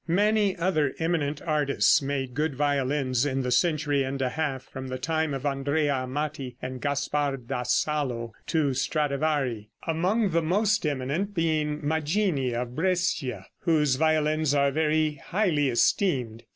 Many other eminent artists made good violins in the century and a half from the time of Andrea Amati and Gaspar da Salo to Stradivari, among the most eminent being Maggini, of Brescia, whose violins are very highly esteemed.